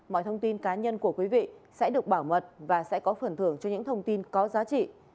mọi thông tin cá nhân của quý vị sẽ được bảo mật và sẽ có phần thưởng cho những thông tin có giá trị